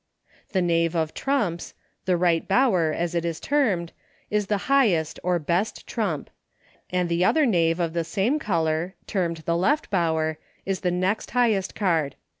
The Knave of trumps, the Right Bower as it is termed, is the highest or be trump ; PRELIMINARY. 33 and the other Knave of the same color, termed the Left Bower, is the next highest card.